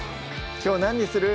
きょう何にする？